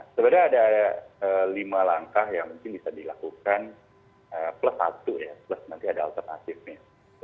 sebenarnya ada lima langkah yang mungkin bisa dilakukan plus satu ya plus nanti ada alternatifnya